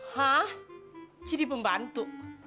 hah jadi pembantu